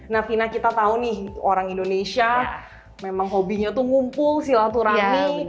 nah fina kita tahu nih orang indonesia memang hobinya tuh ngumpul silaturahmi